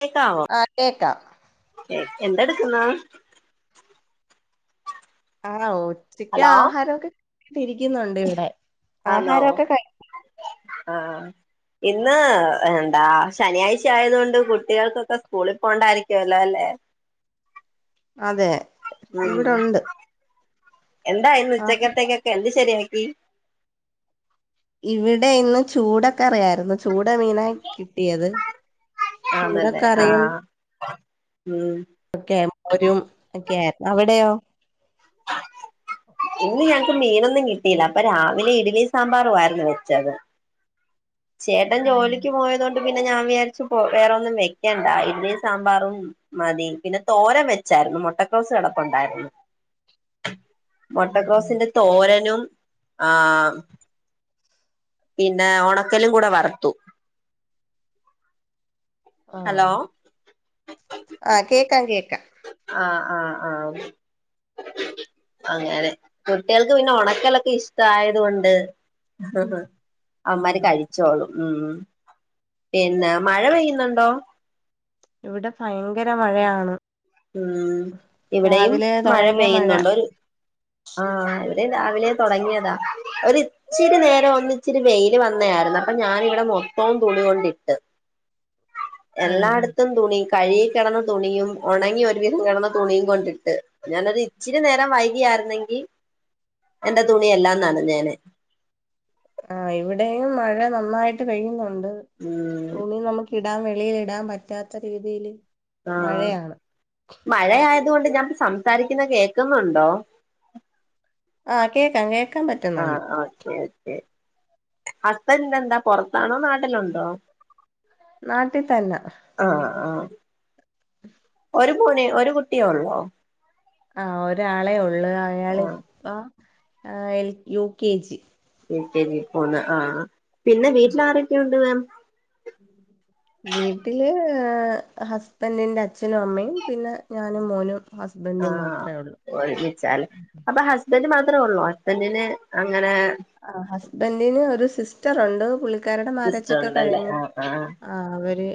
കേക്കാവോ ആഹ് കേക്കാം എ എന്ത്‌ എടുക്കുന്നു ആവോ ഉച്ചക്ക് ഹലോ ആഹാരൊക്കെ ഇരിക്കുന്നുണ്ട് ഇവിടെ ആണോ ആഹാരമൊക്കെ കഴി ആ ഇന്ന് എന്താ ശനിയാഴ്ച ആയത് കൊണ്ട് കുട്ടികൾക്കൊക്കെ സ്കൂളിൽ പോണ്ടായിരിക്ക്യോലോ ല്ലെ അതെ ഉം ഇവിടെ ഉണ്ട് എന്തായിരുന്നു ഉച്ചക്കത്തേക്കൊക്കെ എന്ത് ശരിയാക്കി ഇവിടെ ഇന്ന് ചൂടൊക്കെ അറിയായിരുന്നു ചൂട മീന കിട്ടിയത് ചൂടൊക്കെ അറിയും മം ഒക്കെ മോരും ഒക്കെ അവിടെയോ ഇന്ന് ഞങ്ങക്ക് മീനൊന്നും കിട്ടിയില്ല അപ്പൊ രാവിലെ ഇഡ്ലി സാമ്പാറു ആയിരുന്നു വെച്ചത് ചേട്ടൻ ജോലിക്ക് പോയതോണ്ട് പിന്നെ ഞാൻ വിചാരിച്ചു പോ വേറെൊന്നും വെക്കണ്ട ഇഡലി സാമ്പാറും മതി പിന്നെ തോരം വെച്ചായിരുന്നു മുട്ടക്കോസ് കിടപ്പുണ്ടായിരുന്നു മൊട്ടക്കോസിന്റെ തോരനും ആ പിന്നെ ഉണക്കലും കൂടെ വറുത്തു ആ ഹലോ ആ കേക്കാം കേക്കാം ആ ആ ആ [unintelligible] അങ്ങനെ കുട്ടികൾക്ക് പിന്നെ ഉണക്കലൊക്കെ ഇഷ്ട ആയത് കൊണ്ട് അവമ്മാര് കഴിച്ചോളും ഉം പിന്നെ മഴ പെയ്യുന്നുണ്ടോ ഇവിടെ ഭയങ്കര മഴയാണ്. ഉം ഇവിടെയും രാവിലെ മഴ തുടങ്ങിയ പെയ്യുന്നുണ്ട് ഒരു ആഹ് ഇവിടെയും രാവിലെ തൊടങ്ങിയതാ ഒരു ഇ ച്ചിരി നേരം ഒന്നിച്ചിരി വെയില് വന്നായിരുന്നു. അപ്പൊ ഞാനിവിടെ മൊത്തവും തുണികൊണ്ടിട്ട് ആഹ് എല്ലാട്ത്തും തുണി കഴികി കെടന്ന തുണിയും ഒണങ്ങി ഒരുവിധം കിടന്ന തുണിയും കൊണ്ടിട്ട് ഞാനൊരു ഇച്ചിരി നേരം വൈകിയായിരുന്നെങ്കി എന്റെ തുണിയെല്ലാം നനഞ്ഞേനെ. ആ ഇവിടെയും മഴ നന്നായിട്ട് പെയ്യുന്നുണ്ട്. ഉം തുണി നമുക്ക് ഇടാം. വെളിയിലിടാം പറ്റാത്ത രീതിയിയില് ആഹ് മഴയായത് കൊണ്ട് ഞാൻപ്പൊ സംസാരിക്കുന്ന കേക്കുന്നുണ്ടോ? ആഹ് കേക്കാം കേക്കാൻ പറ്റ ആഹ് ആഹ് ഓക്കെ ഓക്കെ ഹസ്ബൻഡ് എന്താ പൊറത്താണോ നാട്ടിലുണ്ടോ? നാട്ടി തന്നെ. ആഹ് ആഹ് ഒരു [unintelligible] ഒരു കുട്ടിയേ ഒള്ളോ ആ ഒരാളേ ഉള്ളൂ ആഹ് അയാളിപ്പം L U K G. L K G പോന്ന ആഹ് പിന്നെ വീട്ടിൽ ആരൊക്കെയുണ്ട് മാം വീട്ടില് ഹസ്ബൻറിന്റെ അച്ഛനും അമ്മയും പിന്നെ ഞാനും മോനും. ഹസ്ബൻഡും ആഹ് മാത്രമേ ഉള്ളൂ ഒരുമിച്ചാല് അപ്പൊ ഹസ് ബന്റ് മാത്രേ ഒള്ളോ ഹസ്ബന്റിന് അങ്ങനെ ആഹ് ഹസ്ബന്റിന് ഒരു സിസ്റ്ററുണ്ട് പുള്ളിക്കാരുടെ സിസ്റ്റർ മാരാജൊക്കെ ഉണ്ടല്ലേ കഴിഞ്ഞ് ആഹ് ആഹ് ആ അവര്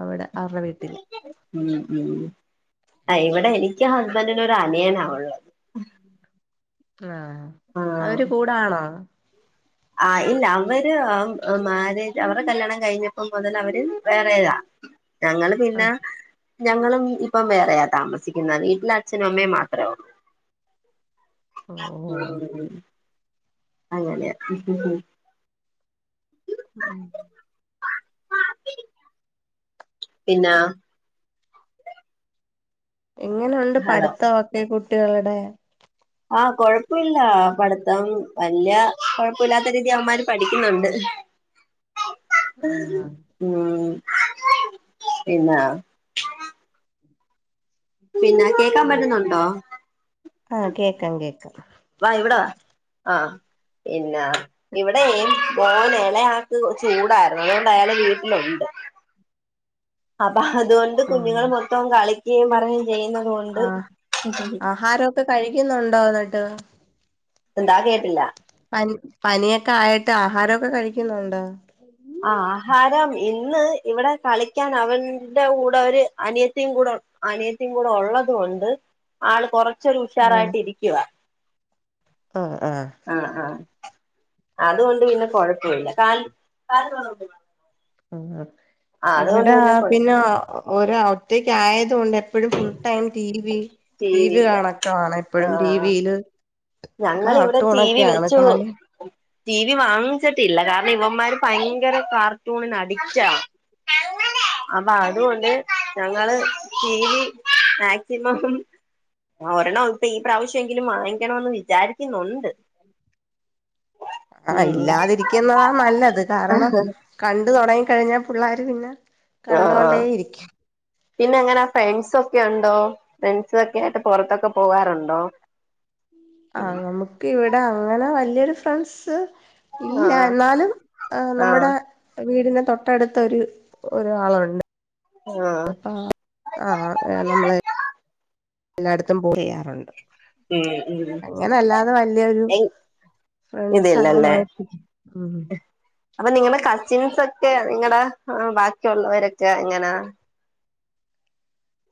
അവടെ [unintelligible] വീട്ടില ഉം ഉം ആ ഇവിടെ എനിക്ക് ഹസ്ബൻഡിനൊരു അനിയനാ ഒള്ളെ ആ അവര് കൂടാണോ? ആ ഇല്ല അവര് ആ മാരേജ് അവരുടെ കല്യാണം കഴിഞ്ഞ പ്പം മുതല് അവര് വേറെയാ ഞങ്ങള് പിന്നെ ആഹ് ഞങ്ങളും ഇപ്പം വേറെയാ താമസിക്കുന്ന. വീട്ടില് അച്ഛനും അമ്മയും മാത്രേ ഒള്ളൂ. [inaudible] ഓഹ് [unintelligible] അല്ലല്ലെ ഉം പിന്നാ എങ്ങനുണ്ട് ഹലോ പഠിത്തൊക്കെ കുട്ടികളുടെ? ആഹ് കൊഴപ്പല്ല പഠിത്തം വല്യ കൊഴപ്പൊല്ലാത്ത രീതി അവമാര് പഠിക്കുന്നുണ്ട്. ആഹ് ആഹ് പിന്നാ പിന്നാക്കെ അതെ ആഹ് കേക്കാം കേക്കാം. വാ ഇവിട വാ ആഹ് പിന്നെ ഇവടെ മോൻ എളയാക്ക് ചൂടായ്രുന്ന്. അതോണ്ട് അയാള് വീട്ടിലൊണ്ട്. അബ അതുകൊണ്ട് ആഹ് കുഞ്ഞുങ്ങള് മൊത്തം കളിക്കെയും പർഞ്ഞ് ചെയ്യുന്ന് ആഹ് ആഹാരൊക്കെ കഴിക്കുന്നുണ്ടോ ന്നട്ട്? എന്താ കേട്ടില്ല? പനി പനിയൊക്കെ ആയിട്ട് ആഹാരൊക്കെ കഴിക്കുന്നുണ്ടോ? ആഹ് ആഹാരം ഇന്ന് ഇവടെ കളിക്കാൻ അവന്റെ കൂടെ ഒരു അനിയത്തിയും കൂടെ ഉ അനിയത്തിം കൂടെ ഒള്ളത് കൊണ്ട് ആള് കൊറച്ചൊരു ആഹ് ഉഷാറായിട്ട് ഇരിക്കുവാ. ആഹ് ആഹ് ആഹ് ആഹ് അതുകൊണ്ട് പിന്നെ കൊഴപ്പവില്ല. കാല് കാല് പൊറകോട്ട് ആ അതുകൊണ്ട് പിന്നെ കൊ ആഹ് ഒര ഒറ്റക്കായതുകൊണ്ട് എപ്പഴും full time T V TV ടിവിയില്ല കാണക്കാണ് എപ്പഴും ടിവീല് ഞങ്ങള് ഇവിടെ ടി വി വെച്ചു കളി ടി വി വാങ്ങിച്ചിട്ടില്ല കാരണം ഇവമ്മാര് ഭയങ്കര കാർട്ടൂണിന് അടിറ്റ അങ്ങനെ അപ്പൊ അതുകൊണ്ട് ഞങ്ങള് ടി വി മാക്സിമം ആ ഒരണ്ണം ഇപ്പി ഈ പ്രാവശ്യഎങ്കിലും വാങ്ങിക്കണോന്ന് വിചാരിക്കുന്നുണ്ട് ആഹ ഉം ഇല്ലാതിരിക്കുന്നതാ നല്ലത് കാരണം കണ്ട് തുടങ്ങികഴിഞ്ഞ പിള്ളാര് പിന്നെ ആഹ് കണ്ടോണ്ടേ ആഹ് ഇരിക്കും പിന്നെ എങ്ങന ഫ്രണ്ട്സൊക്കെ ഉണ്ടോ ഫ്രണ്ട്‌സൊക്കെയിട്ട് പൊറത്തൊക്കെ പോകാറുണ്ടോ [unintelligible] ആഹ് നമുക്ക് ഇവിടെ അങ്ങനെ വല്യരുഫ്രണ്ട്സ് ഇല്ല ആഹ് എന്നാലും ആഹ് നമ്മടെ വീടിന് തൊട്ടടുത്ത് ഒര് ഒരാളുണ്ട് ആഹ് അപ്പൊ ആഹ് ആഹ് നമ്മളെ എല്ലാട്ത്തും പോയ്‌ യാറുണ്ട് ഉം ഉം അങ്ങനെല്ലാതെ വല്യരു ഫ്രണ്ട്സ് ഇതില്ലല്ലേ അങ്ങനായ്റ്റ് ആഹ് അപ്പൊ നിങ്ങളെ കസിൻസ് ഒക്കെ നിങ്ങടെ ബാക്കിയുള്ളോരൊക്കെ എങ്ങനാ.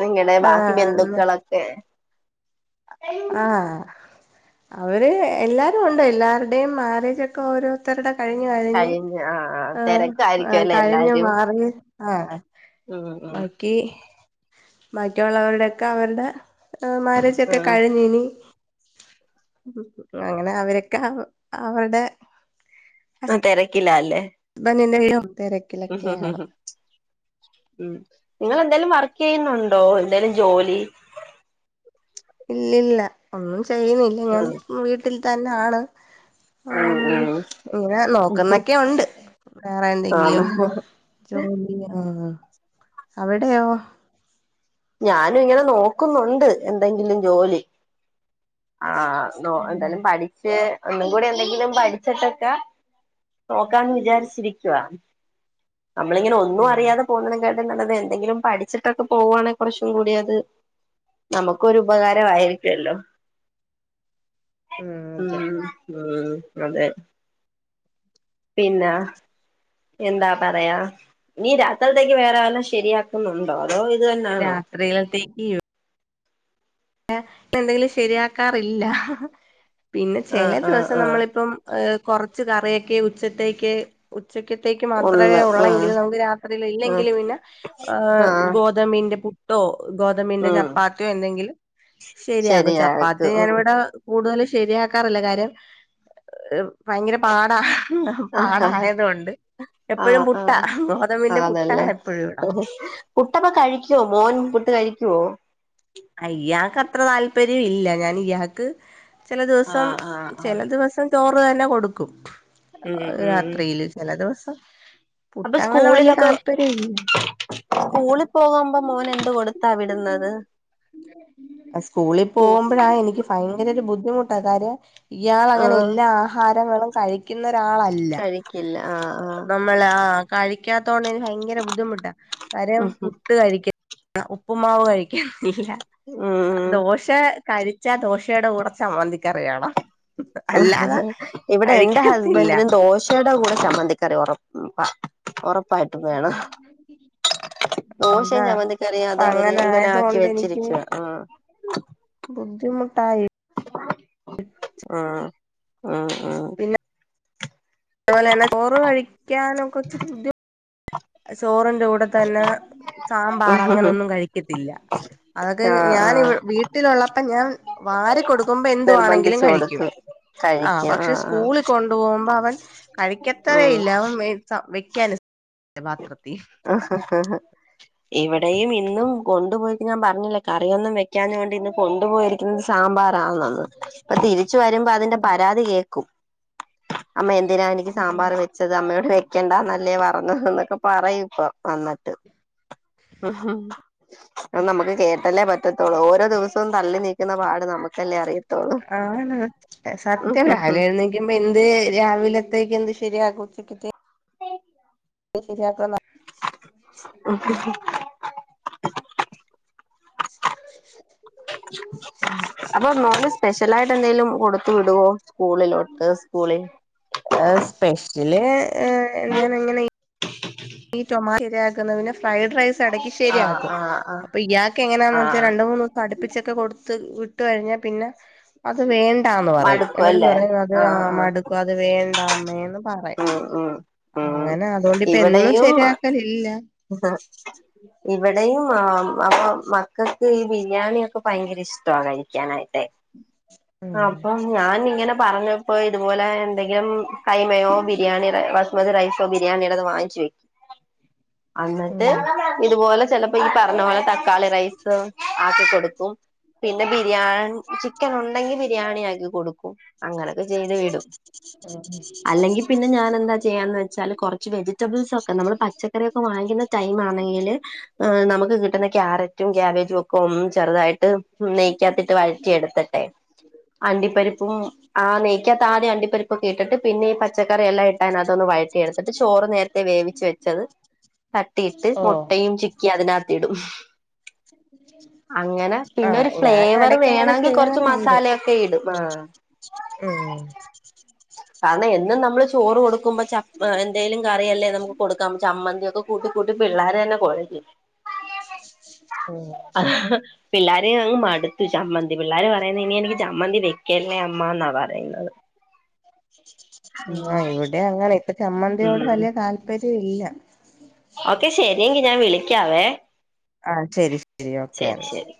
നിങ്ങടെ ബാക്കി ആഹ് ബന്ധുക്കളൊക്കെ ആഹ് അവര് എല്ലാരുണ്ട് എല്ലാരുടെയും മാരേജക്കെ ഓരോ ത്തരുടെ കഴിഞ് കഴിഞ്ഞ് ആഹ് തിരക്കായിരിക്കും ആ കഴിഞ്ഞ് മാറി ആഹ് ആഹ് അഹ് ബാക്കി ബാക്കിയുള്ളവരുടെയൊക്കെ അവരുടെ മാരേജ് ക്കെ ആഹ് കഴിഞ്ഞിനി അങ്ങനെ അവരക്കെ ആഹ് അവടെ അഹ് തെരക്കിലാല്ലേ ബ്ബ നിന്നെ [unintelligible] ഉം നിങ്ങള് എന്തേലും വർകെയ്യുന്നു ണ്ടോ എന്തേലും ജോലി ഇല്ല്ല്ല ഒന്നും ചെയ്യുന്നില്ല ഉം ഞാന്പ്പം വീട്ടിൽ തന്നാണ് അം ഉം ഉം ഇങ്ങനെ നോക്കുന്നൊക്കെ ഉണ്ട് വേറെ എന്തെങ്കിലും ആണ് ജോലിയോ അവിടെയോ ഞാനു ഇങ്ങനെ നോക്കുന്നുണ്ട് എന്തെങ്കിലും ജോലി ആഹ് നോ ഉം എന്തേലും പഠിച്ച് ഒന്നുകൂടി എന്തെങ്കിലും പഠിച്ചിട്ടൊക്കെ നോക്കാന്ന് വിചാരിച്ചിരിക്കവാ നമ്മളിങ്ങനെ ഒന്നും ഉം അറിയാതെ പോവുന്നത്കാട്ടിം നല്ലത് എന്തെങ്കിലും പഠിച്ചിട്ടൊക്ക പോവാണെ കുറച്ചുകൂടി അത് നമുക്കൊരു ഉപകാരമായിരിക്കല്ലോ ആഹ് ഉം അതെ ഉം അഹ് അതെ പിന്ന എന്താ പറയാ നീ രാത്രൽത്തേക്ക് വേറെ വല്ലം ശരിയാക്കുന്നുണ്ടോ അതോ ഇത് തന്നാണോ ത്രീലത്തേക്ക് യു എന്തെങ്കിലും ശരിയാക്കാറില്ല പിന്നെ ചെല ആഹ് ആഹ് ദിവസം ആഹ് നമ്മളിപ്പം ഏഹ് കൊറച്ച് കറിയൊക്കെ ഉച്ചത്തേക്ക് ഉച്ചക്കത്തേക്ക് മാത്രമേ ഉള്ളു ആഹ് ഉള്ളെങ്കിൽ നമുക്ക് രാത്രില് ആഹ് ഇല്ലെങ്കില് പിന്നെ ആഹ് ഗോ തമ്പിന്റെ പുട്ടോ ഗോതമ്പിന്റെ ഉം ചപ്പാത്തിയോ എന്തെങ്കില് ശരിയാകും ചപ്പാത്തി ശരിയാക്കും ഉം ഞാനിവിടെ കൂടുതലും ശരിയാക്കാറില്ല കാര്യം ഭയങ്കര പാടാ ആഹ് പാടായത്കൊണ്ട് എപ്പഴും പുട്ട ആഹ് ഗോതമ്പിന്റെ പുട്ടാണ്. എപ്പഴും ഇവിട പുട്ടക്കേ കഴിക്കുവോ മോൻ പുട്ട് കഴിക്കുവോ ഇയാൾക്ക് അത്ര താല്പര്യം ഇല്ല ഞാൻ ഇയാൾക്ക് ചില ദിവസം ആഹ് ആഹ് ആഹ് ചില ദിവസം ചോറ് തന്നെ കൊടുക്കും. ഉം ഉം രാത്രിയില് ചില ദിവസം പുട്ട അപ്പൊ അങ്ങനെ വലിയ സ്കൂളിലൊക്കെ താല്പര്യം ഇല്ല. സ്കൂളിൽ പോകുമ്പോ മോൻ എന്ത് കൊടുത്താ വിടുന്നത്. സ്കൂളിൽ സ്കൂ പോകുമ്പോഴാ എനിക്ക് ഭയങ്കര ഒരു ബുദ്ധിമുട്ടാ കാര്യം ഇയാൾ അങ്ങനെ ആഹ് എല്ലാ ആഹാരങ്ങളും കഴിക്കുന്നരാളല്ല. കഴിക്കില്ല ആഹ് ആഹ് കഴിക്കാത്തോണ്ട് ഭയങ്കര ബുദ്ധിമുട്ട കാര്യം ഉം പുട്ട് കഴിക്ക ആ ഉപ്പുമാവ് കഴിക്കറില്ല ഉം ദോഷ പക്ഷെ കഴിച്ച ദോശയുടെ കൂടെ ച മ്മന്തിക്കറി വേണം. അല്ലാതെ ഇവിടെ എൻന്റെ കഴിക്കത്തില്ല ഹസ്ബൻഡിനും ദോശയുടെ കൂടെ ചമ്മന്തിക്കറി ഉറപ്പ ഉറപ്പായിട്ടും വേണം. ദോശയും അതാ അപ്പൊ ചമ്മന്തിക്കറിയാതെ അവര് അങ്ങനെ ആയത് ആക്കി കൊണ്ട് എനിക്ക് വെച്ചിരിക്കുക. ആഹ് ബുദ്ധിമുട്ടായി. ആഹ് ആഹ് പിന്നെ അതുപോലെ തന്നെ ചോറ് കഴിക്കാനൊക്കെ ഒച്ചിരി ബുദ്ധിമുട്ട ചോറിന്റെ കൂടെ സാമ്പാർ അങ്ങന ഒന്നും കഴിക്കത്തില്ല അതൊക്കെ ആഹ് ഞൻ ഇ ആഹ് വെട വീ വീട്ടിലുള്ളപ്പ ഞാൻ വാരി കൊടുക്കുമ്പോ എന്തുവാണെങ്കിലും നിർബന്ധിച്ചു കഴിക്കും. കൊടുക്കും ആഹ് കഴിക്കും പക്ഷെ ആഹ് സ്കൂളിൽ കൊണ്ടുപോകുമ്പോ അവൻ കഴിക്കത്തേ ഉം ഇല്ല അവൻ വെക്കൻ പാത്രത്തിൽ [unintelligible] ഇവിടെയും ഇന്നും കൊണ്ടുപോയിട്ട് ഞാൻ പറഞ്ഞില്ലേ കറിയൊന്നും വെക്കാഞ്ഞൊണ്ട് ഇന്ന് കൊണ്ടുപോയിരിക്ക സാമ്പാറാന്ന് അപ്പൊ തിരിച്ച വരുമ്പോ അതിന്റെ പരാതി കേൾക്കും അമ്മ എന്തിനാ എനിക്ക് സാമ്പാർ വ ച്ചത് അമ്മയോട് വെക്കണ്ടന്നല്ലേ പറഞ്ഞു എന്നൊക്കെ പറയും. ഇപ്പ വന്നിട്ട് ഉം അ നമുക്ക് കേട്ടല്ലേ പറ്റത്തുള്ളൂ ഓരോ ദിവസവും തള്ളി നീക്കുന്ന പാട് നമു ആഹ് സത്യള്ള ഹാലേന്ന് ഇപ്എന്ത് രാവിലത്തേക്ക് എന്ത് ശരിയാക്കോച്ചിട്ട [unintelligible] ഉം [inaudible] അപ്പൊ മോൻ സ്പെഷ്യല ആയിട്ട് എന്തെലും കൊടുത്തു വിടുവോ സ്കൂളിലോട്ട് ആ സ്കൂളിൽ ആ സ്പെഷ്യല് എങ്ങനെ എങ്ങനെ ഈ ടൊമാറ്റോ ആകുന്നതിന്ന് ഫ്രൈഡ്റൈസ് എടക്ക് ആഹ് ശരിയാകും ആഹ് ആഹ് അപ്പോ ഇയാൾ എങ്ങനെയാന്ന് വെച്ചാൽ ആഹ് രണ്ട് മൂന്ന് പഠിപ്പിച്ചൊക്കെ കൊടുത്ത് വിട്ട കഴിഞ്ഞാൽ പിന്നെ അത് വേണ്ടാന്ന് പറയും മടുക്കും എന്നടുത്ത് അല്ലേ പറയും അത് ആഹ് ആഹ് മടുക്കും അത് വേണ്ടാ അമ്മേന്ന് പറ ഉം ഉം ഉം അങ്ങനെ അതുകൊണ്ട് എന്നും ശരിയാക്കലില്ല ആഹ ഇവിടെയും അപ്പൊ മക്കൾക്ക് ഈ ബിരിയാണിയ ഒക്കെ ഭയങ്കര ഇഷ്ട്ടാ കഴിക്കാനായിട്ട് ഉം അപ്പം ഞാനിങ്ങനെ പറഞ്ഞപ്പൊ ഇതുപോലെ എന്തെങ്കിലും കൈമയോ ബിരിയാണി റ വസ്മതി റൈസോ ബിരിയാണിടതോ വാങ്ങിച്ച് വെക്കും അന്നട്ട് ഉം ഇത്പോലെ ചെൽ ഇപ്പ ഈ പറഞ്ഞ പോലെ തക്കാളി റൈസും ആക്കി കൊട്ക്കും പിന്നെ ബിരിയാൺ ചിക്കനൊണ്ടെങ്കി ബിരിയാണി ആക്കി കൊടുക്കും. അങ്ങനൊക്കെ ചെയ്ത് വിടും അല്ലെങ്കി പിന്നെ ഞാനെന്താ ചെയ്യാന്ന് വെച്ചാല് കൊറച്ച് വെജിറ്റബിൾസൊക്കെ നമ്മള് പച്ചക്കറിയൊക്കെ വാങ്ങിക്ക്ന്ന ടൈമാണെങ്കില് ആഹ് നമക്ക് കിട്ടുന്ന ക്യാരറ്റും ക്യാബേജും ഒക്ക് ഒന്ന്‌ ചെർതായിട്ട് നെയ്ക്കാത്തിട്ട് വഴറ്റി എട്ത്ത്ട്ടേ അണ്ടിപ്പരിപ്പും ആഹ് നെയ്ക്കകത്ത് ആദ്യം അണ്ടിപ്പരിപ്പൊക്കെ ഇട്ട്ട്ട് പിന്നെ ഈ പ പച്ചക്കറിയെല്ലാം ഇട്ടയ്‌ നകത്തൊന്ന് വയറ്റി എട്ത്ത്ട്ട് ചോറ് നേരത്തെ വേവിച്ച് വെച്ചത് തട്ടി ഇട്ട് ഓ മുട്ട ട്ടീം ചിക്കി അതിനകത്തിടും അങ്ങനെ ആഹ് പിന്നൊര് ഞാൻ ഫ്ലേവർ ഇടക്ക് അങ്ങനെ വേണോങ്കി കൊർച്ച് മസാലൊക്കെ ഇടും ആഹ് ഏഹ് കാരണം എന്നും നമ്മള് ചോറ് കൊടുക്കുമ്പോ ചപ്പ് എന്തേലും കറിയല്ലേ നമുക്ക് കൊടുക്കാം ചമ്മന്തിയൊക്കെ കൂട്ടി കൂട്ടി പിള്ളാരന്നെ കൊഴങ്ങി. ഉം പിള്ളാര് അങ്ങ് മട്ത്ത് ചമ്മന്തി പിള്ളാര് പറയ്ന്നത് ഇനി എനിക്ക് ചമ്മന്തി വെക്കല്ലേ അമ്മാന്നാ പറയ്ന്നത് ആഹ് ഇവടിം അങ്ങനെ. ഇപ്പൊ ചമ്മന്തിയോട് ഉം വല്ല്യേ താല്പര്യ ഇല്ല ഓക്കെ ശെരി ങ്കി ഞാം വിളിക്കാവേ ആ ശെരി ശെരി ഓക്കെ ശരി ശരി